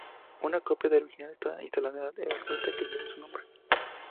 Una copia de la original está instalada en la ermita que lleva su nombre.